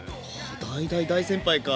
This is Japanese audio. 大大大先輩か。